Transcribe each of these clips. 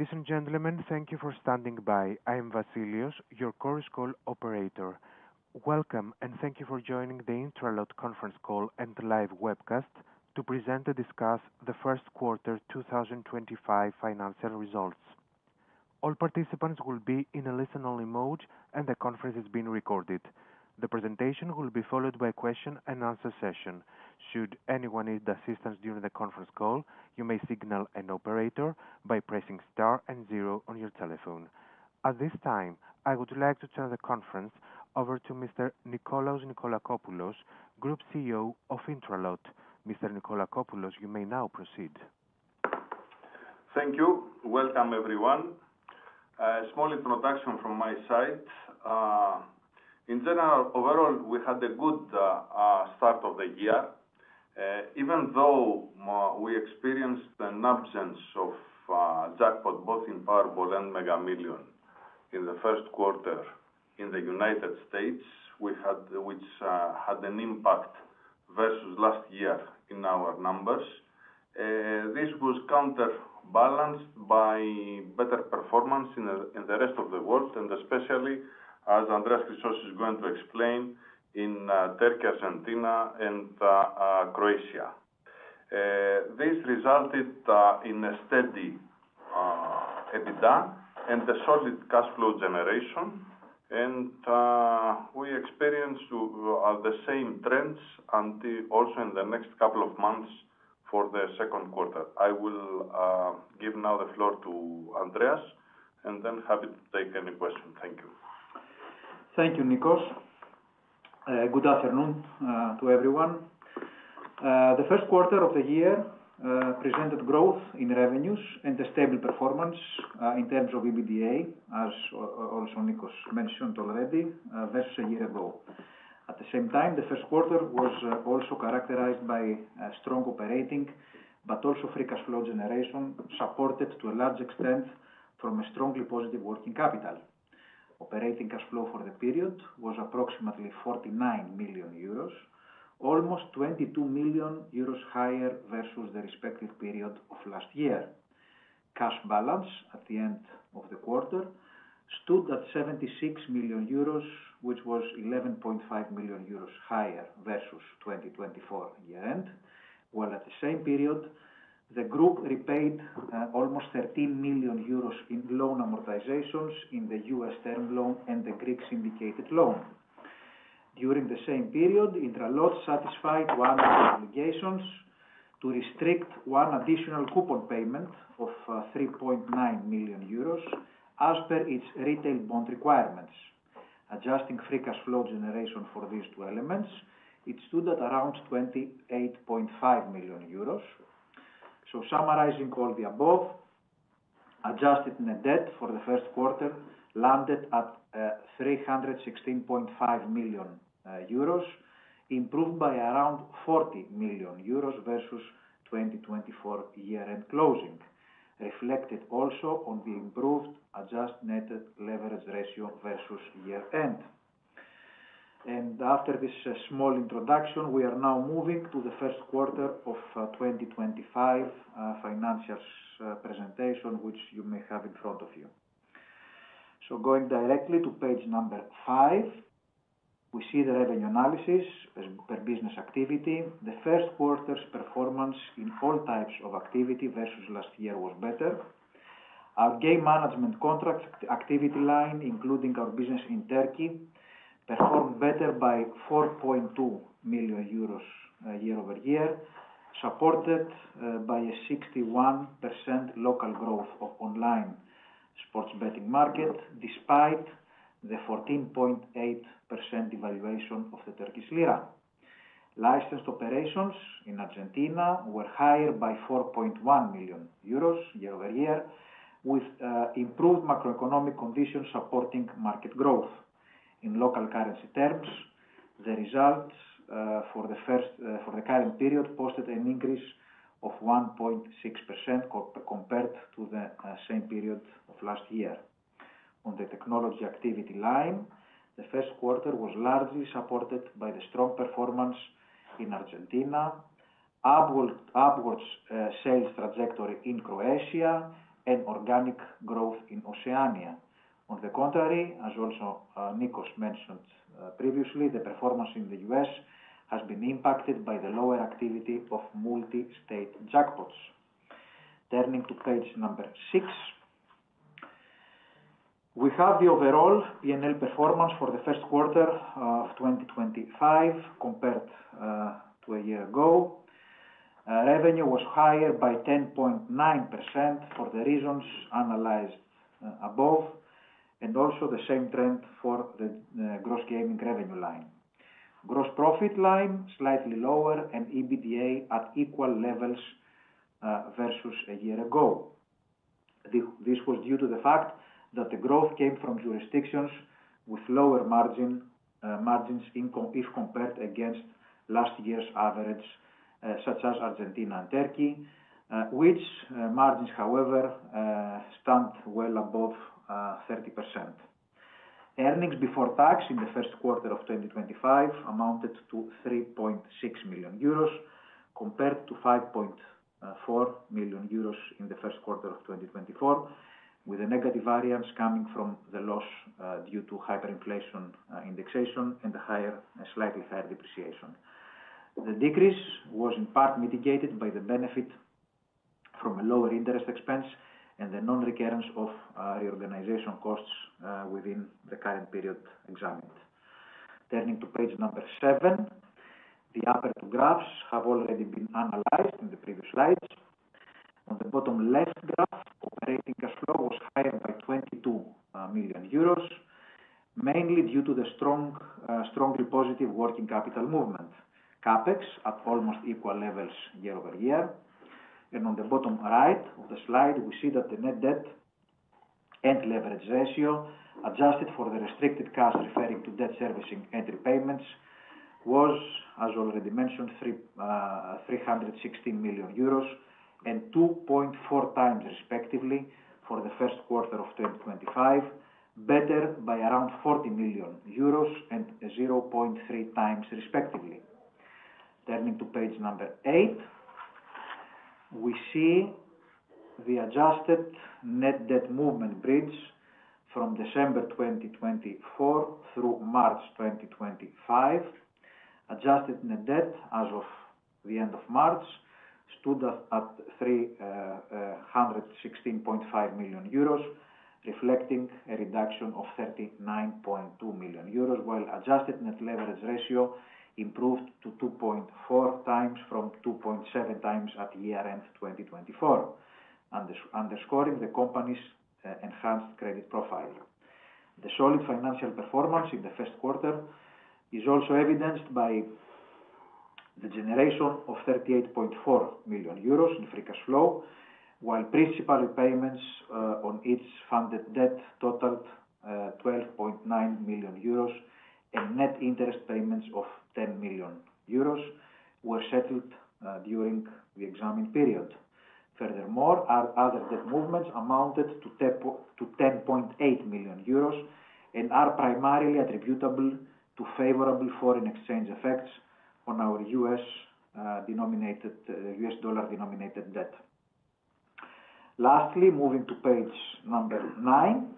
Ladies and gentlemen, thank you for standing by. I'm Vasilios, your conference call operator. Welcome, and thank you for joining the INTRALOT conference call and live webcast to present and discuss the first quarter 2025 financial results. All participants will be in a listen-only mode, and the conference is being recorded. The presentation will be followed by a question-and-answer session. Should anyone need assistance during the conference call, you may signal an operator by pressing star and zero on your telephone. At this time, I would like to turn the conference over to Mr. Nikolaos Nikolakopoulos, Group CEO of INTRALOT. Mr. Nikolakopoulos, you may now proceed. Thank you. Welcome, everyone. A small introduction from my side. In general, overall, we had a good start of the year. Even though we experienced an absence of jackpot, both in Powerball and Mega Millions, in the first quarter in the United States, which had an impact versus last year in our numbers, this was counterbalanced by better performance in the rest of the world, and especially, as Andreas Chrysos is going to explain, in Turkey, Argentina, and Croatia. This resulted in a steady EBITDA and a solid cash flow generation, and we experienced the same trends also in the next couple of months for the second quarter. I will give now the floor to Andreas, and then have him take any questions. Thank you. Thank you, Nikos. Good afternoon to everyone. The first quarter of the year presented growth in revenues and a stable performance in terms of EBITDA, as also Nikos mentioned already, versus a year ago. At the same time, the first quarter was also characterized by strong operating, but also free cash flow generation supported to a large extent from a strongly positive working capital. Operating cash flow for the period was approximately 49 million euros, almost 22 million euros higher versus the respective period of last year. Cash balance at the end of the quarter stood at 76 million euros, which was 11.5 million euros higher versus 2024 year-end, while at the same period, the Group repaid almost 13 million euros in loan amortizations in the U.S. term loan and the Greek syndicated loan. During the same period, INTRALOT satisfied one of the obligations to restrict one additional coupon payment of 3.9 million euros as per its retail bond requirements. Adjusting free cash flow generation for these two elements, it stood at around 28.5 million euros. Summarizing all the above, adjusted net debt for the first quarter landed at 316.5 million euros, improved by around 40 million euros versus 2024 year-end closing, reflected also on the improved adjusted netted leverage ratio versus year-end. After this small introduction, we are now moving to the first quarter of 2025 financials presentation, which you may have in front of you. Going directly to page number five, we see the revenue analysis per business activity. The first quarter's performance in all types of activity versus last year was better. Our game management contract activity line, including our business in Turkey, performed better by 4.2 million euros year-over-year, supported by a 61% local growth of online sports betting market despite the 14.8% devaluation of the Turkish lira. Licensed operations in Argentina were higher by 4.1 million euros year-over-year, with improved macroeconomic conditions supporting market growth. In local currency terms, the results for the current period posted an increase of 1.6% compared to the same period of last year. On the technology activity line, the first quarter was largely supported by the strong performance in Argentina, upwards sales trajectory in Croatia, and organic growth in Oceania. On the contrary, as also Nikos mentioned previously, the performance in the U.S. has been impacted by the lower activity of multi-state jackpots. Turning to page number six, we have the overall P&L performance for the first quarter of 2025 compared to a year ago. Revenue was higher by 10.9% for the reasons analyzed above, and also the same trend for the gross gaming revenue line. Gross profit line slightly lower and EBITDA at equal levels versus a year ago. This was due to the fact that the growth came from jurisdictions with lower margins if compared against last year's average, such as Argentina and Turkey, which margins, however, stand well above 30%. Earnings before tax in the first quarter of 2025 amounted to 3.6 million euros compared to 5.4 million euros in the first quarter of 2024, with a negative variance coming from the loss due to hyperinflation indexation and a slightly higher depreciation. The decrease was in part mitigated by the benefit from a lower interest expense and the non-recurrence of reorganization costs within the current period examined. Turning to page number seven, the upper two graphs have already been analyzed in the previous slides. On the bottom left graph, operating cash flow was higher by 22 million euros, mainly due to the strongly positive working capital movement, CapEx at almost equal levels year-over-year. On the bottom right of the slide, we see that the net debt and leverage ratio adjusted for the restricted cash referring to debt servicing and repayments was, as already mentioned, 316 million euros and 2.4x, respectively, for the first quarter of 2025, better by around 40 million euros and 0.3x, respectively. Turning to page number eight, we see the adjusted net debt movement bridge from December 2024 through March 2025. Adjusted net debt as of the end of March stood at 316.5 million euros, reflecting a reduction of 39.2 million euros, while adjusted net leverage ratio improved to 2.4x from 2.7x at year-end 2024, underscoring the company's enhanced credit profile. The solid financial performance in the first quarter is also evidenced by the generation of 38.4 million euros in free cash flow, while principal repayments on each funded debt totaled 12.9 million euros and net interest payments of 10 million euros were settled during the examined period. Furthermore, other debt movements amounted to 10.8 million euros and are primarily attributable to favorable foreign exchange effects on our U.S. dollar-denominated debt. Lastly, moving to page number nine,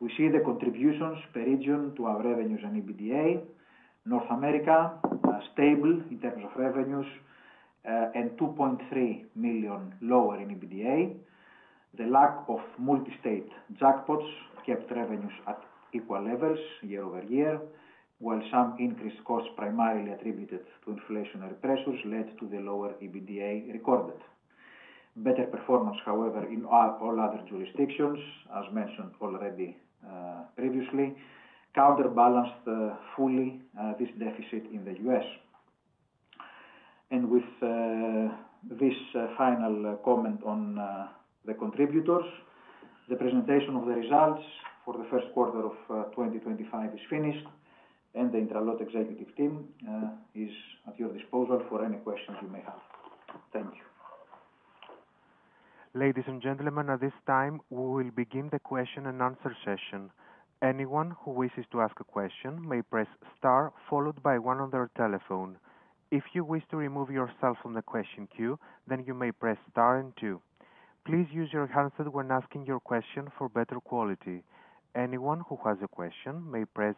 we see the contributions per region to our revenues and EBITDA. North America stable in terms of revenues and 2.3 million lower in EBITDA. The lack of multi-state jackpots kept revenues at equal levels year-over-year, while some increased costs primarily attributed to inflationary pressures led to the lower EBITDA recorded. Better performance, however, in all other jurisdictions, as mentioned already previously, counterbalanced fully this deficit in the U.S. With this final comment on the contributors, the presentation of the results for the first quarter of 2025 is finished, and the INTRALOT executive team is at your disposal for any questions you may have. Thank you. Ladies and gentlemen, at this time, we will begin the question-and-answer session. Anyone who wishes to ask a question may press star followed by one on their telephone. If you wish to remove yourself from the question queue, then you may press star and two. Please use your hands when asking your question for better quality. Anyone who has a question may press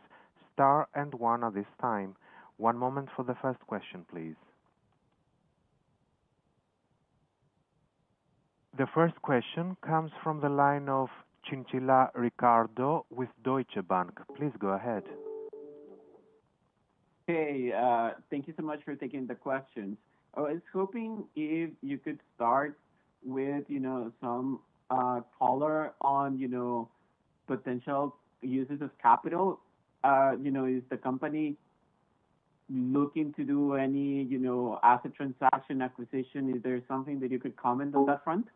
star and one at this time. One moment for the first question, please. The first question comes from the line of Chinchilla Ricardo with Deutsche Bank. Please go ahead. Hey, thank you so much for taking the questions. I was hoping if you could start with some color on potential uses of capital. Is the company looking to do any asset transaction acquisition? Is there something that you could comment on that front?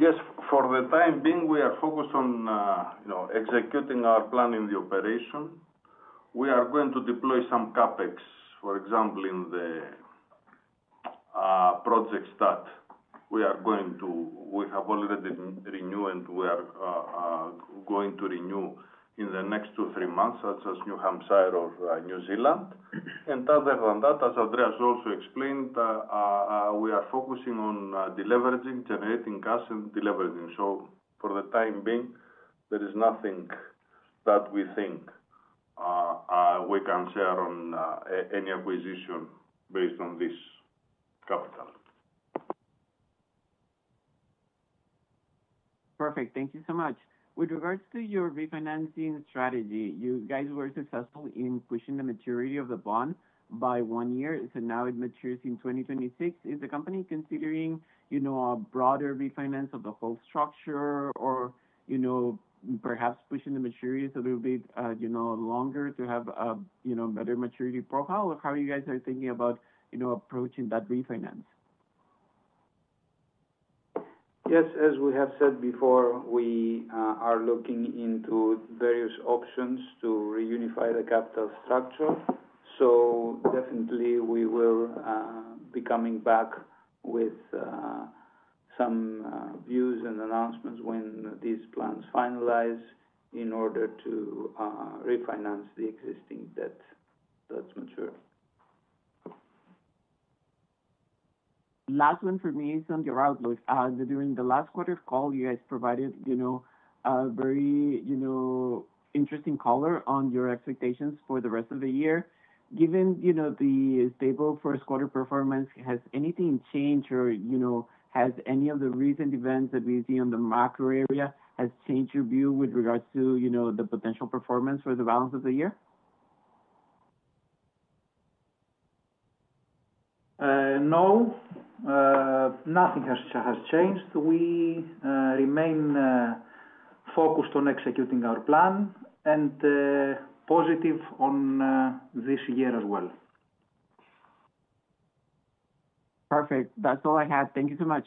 Yes. For the time being, we are focused on executing our plan in the operation. We are going to deploy some CapEx, for example, in the projects that we have already renewed and we are going to renew in the next two or three months, such as New Hampshire or New Zealand. Other than that, as Andreas also explained, we are focusing on deleveraging, generating cash, and deleveraging. For the time being, there is nothing that we think we can share on any acquisition based on this capital. Perfect. Thank you so much. With regards to your refinancing strategy, you guys were successful in pushing the maturity of the bond by one year, so now it matures in 2026. Is the company considering a broader refinance of the whole structure or perhaps pushing the maturity a little bit longer to have a better maturity profile, or how are you guys thinking about approaching that refinance? Yes. As we have said before, we are looking into various options to reunify the capital structure. Definitely, we will be coming back with some views and announcements when these plans finalize in order to refinance the existing debt that's matured. Last one for me is on your outlook. During the last quarter call, you guys provided a very interesting color on your expectations for the rest of the year. Given the stable first quarter performance, has anything changed or has any of the recent events that we see in the macro area changed your view with regards to the potential performance for the balance of the year? No. Nothing has changed. We remain focused on executing our plan and positive on this year as well. Perfect. That's all I had. Thank you so much.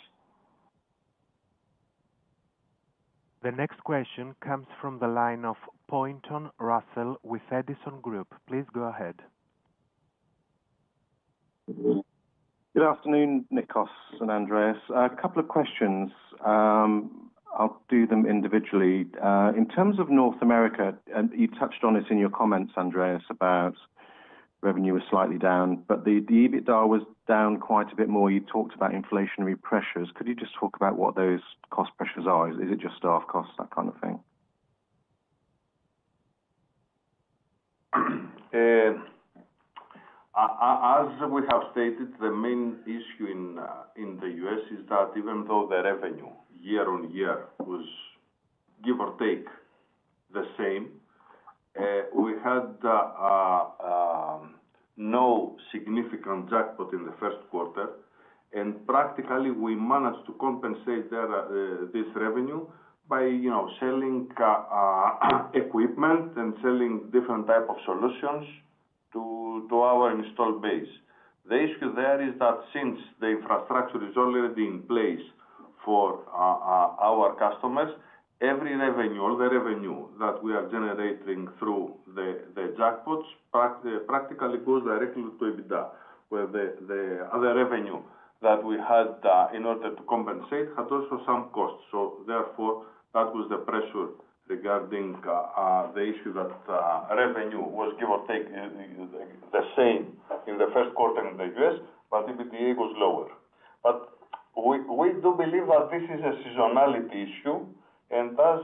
The next question comes from the line of Pointon Russell with Edison Group. Please go ahead. Good afternoon, Nikos and Andreas. A couple of questions. I'll do them individually. In terms of North America, you touched on this in your comments, Andreas, about revenue was slightly down, but the EBITDA was down quite a bit more. You talked about inflationary pressures. Could you just talk about what those cost pressures are? Is it just staff costs, that kind of thing? As we have stated, the main issue in the U.S. is that even though the revenue year-on-year was, give or take, the same, we had no significant jackpot in the first quarter. Practically, we managed to compensate this revenue by selling equipment and selling different types of solutions to our installed base. The issue there is that since the infrastructure is already in place for our customers, every revenue, all the revenue that we are generating through the jackpots, practically goes directly to EBITDA, where the other revenue that we had in order to compensate had also some costs. Therefore, that was the pressure regarding the issue that revenue was, give or take, the same in the first quarter in the U.S., but EBITDA was lower. We do believe that this is a seasonality issue. As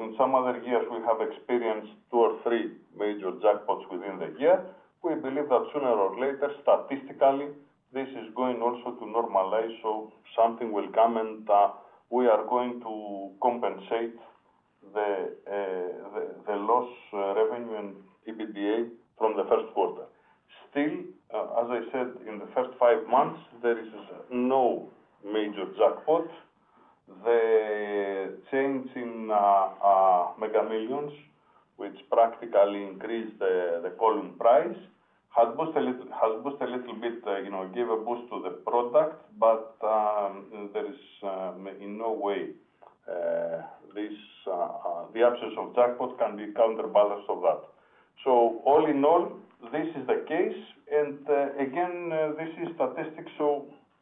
in some other years, we have experienced two or three major jackpots within the year, we believe that sooner or later, statistically, this is going also to normalize. Something will come, and we are going to compensate the lost revenue and EBITDA from the first quarter. Still, as I said, in the first five months, there is no major jackpot. The change in Mega Millions, which practically increased the column price, has boosted a little bit, gave a boost to the product, but there is in no way the absence of jackpot can be counterbalanced of that. All in all, this is the case. Again, this is statistic.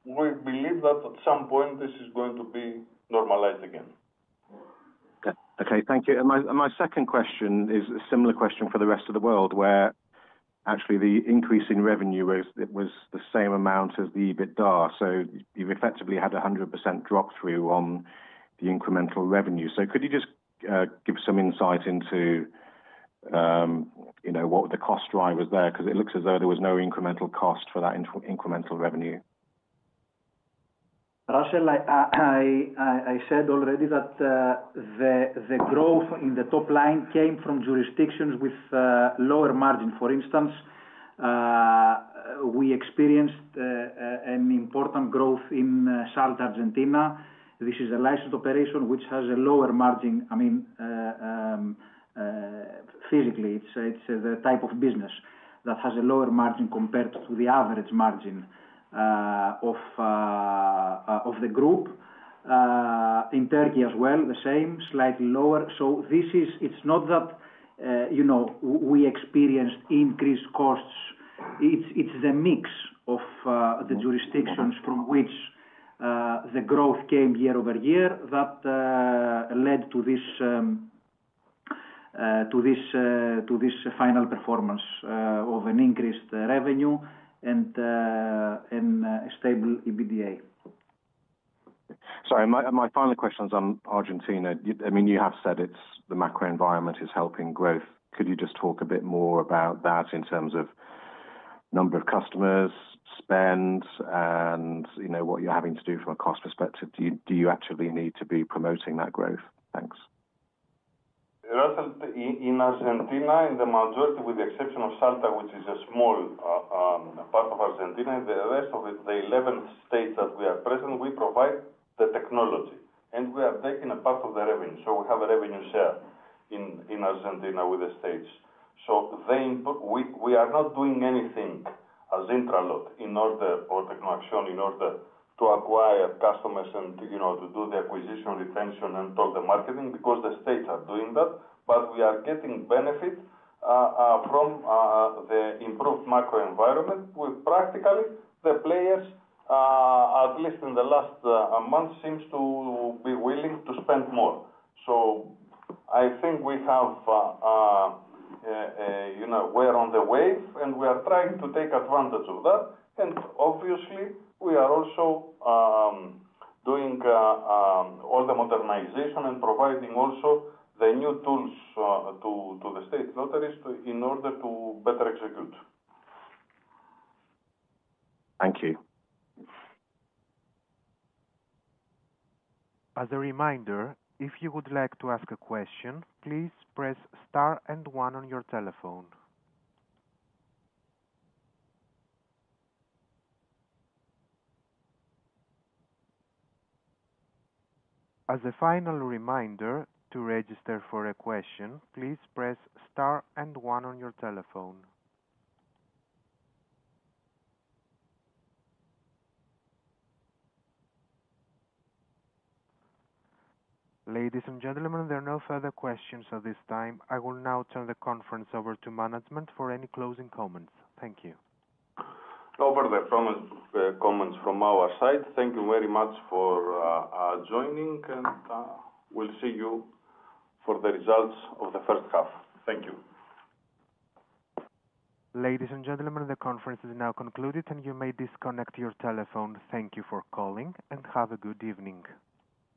We believe that at some point, this is going to be normalized again. Okay. Thank you. My second question is a similar question for the rest of the world, where actually the increase in revenue was the same amount as the EBITDA. You have effectively had a 100% drop-through on the incremental revenue. Could you just give some insight into what the cost driver is there? It looks as though there was no incremental cost for that incremental revenue. I said already that the growth in the top line came from jurisdictions with lower margin. For instance, we experienced an important growth in SALT Argentina. This is a licensed operation which has a lower margin. I mean, physically, it's the type of business that has a lower margin compared to the average margin of the group. In Turkey as well, the same, slightly lower. It's not that we experienced increased costs. It's the mix of the jurisdictions from which the growth came year-over-year that led to this final performance of an increased revenue and a stable EBITDA. Sorry, my final question is on Argentina. I mean, you have said the macro environment is helping growth. Could you just talk a bit more about that in terms of number of customers, spend, and what you're having to do from a cost perspective? Do you actually need to be promoting that growth? Thanks. In Argentina, in the majority, with the exception of SALT, which is a small part of Argentina, the rest of the 11 states that we are present, we provide the technology. We are taking a part of the revenue. We have a revenue share in Argentina with the states. We are not doing anything as INTRALOT or TecnoAction in order to acquire customers and to do the acquisition, retention, and all the marketing because the states are doing that. We are getting benefit from the improved macro environment, where practically the players, at least in the last month, seem to be willing to spend more. I think we are on the wave, and we are trying to take advantage of that. Obviously, we are also doing all the modernization and providing also the new tools to the state lotteries in order to better execute. Thank you. As a reminder, if you would like to ask a question, please press star and one on your telephone. As a final reminder, to register for a question, please press star and one on your telephone. Ladies and gentlemen, there are no further questions at this time. I will now turn the conference over to management for any closing comments. Thank you. No further comments from our side. Thank you very much for joining, and we'll see you for the results of the first half. Thank you. Ladies and gentlemen, the conference is now concluded, and you may disconnect your telephone. Thank you for calling, and have a good evening.